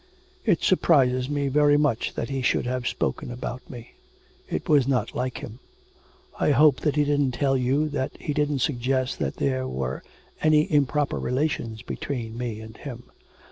'It surprises me very much that he should have spoken about me. It was not like him. I hope that he didn't tell you, that he didn't suggest that there were any improper relations between me and him.'